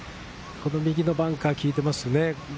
右のバンカーが効いてますね。